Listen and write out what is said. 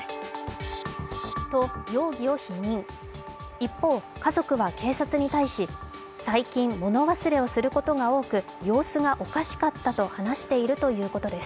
一方、家族は警察に対し最近、物忘れをすることが多く様子がおかしかったと話しているということです。